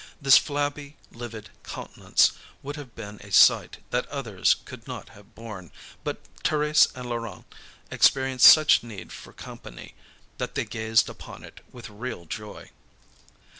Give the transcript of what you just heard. This flabby, livid countenance would have been a sight that others could not have borne, but Thérèse and Laurent experienced such need for company, that they gazed upon it with real joy.